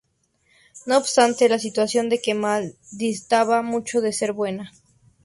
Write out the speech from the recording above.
No obstante, la situación de Kemal distaba mucho de ser buena.